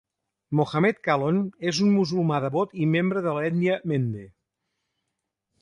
Mohamed Kallon és un musulmà devot i membre de l'ètnia Mende.